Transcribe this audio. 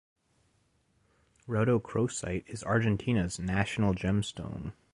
Rhodochrosite is Argentina's "national gemstone".